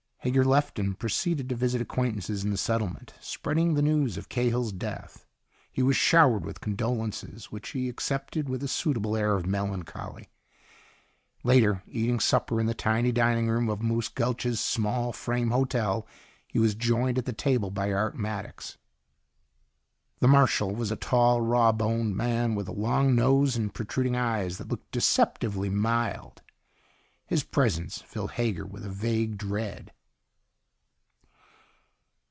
Hager left and proceeded to visit acquaintances in the settlement, spreading the news of Cahill's death. He was showered with condolences, which he accepted with a suitable air of melancholy. Later, eating supper in the tiny dining room of Moose Gulch's small, frame hotel, he was joined at the table by Art Maddox. The marshal was a tall, raw boned man with a long nose and protruding eyes that looked deceptively mild. His presence filled Hager with a vague dread.